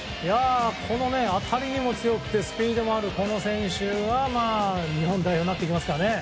当たりにも強くてスピードもあるこの選手は日本代表になってきますね。